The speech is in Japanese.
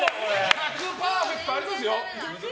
逆パーフェクトありますよ。